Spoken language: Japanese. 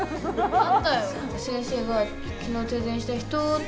あったよ。